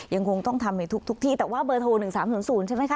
ยังคงต้องทำในทุกที่แต่ว่าเบอร์โทร๑๓๐๐ใช่ไหมคะ